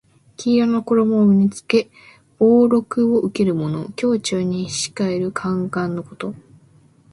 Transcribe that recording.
黄色の衣を身に着け俸禄を受けるもの。宮中に仕える宦官のこと。